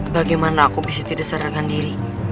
bagaimana aku bisa tidak sadarkan diri